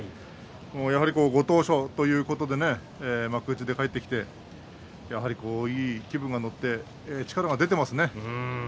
やはりご当所ということで幕内へ帰ってきてやはり気分が乗って力が出ていますね。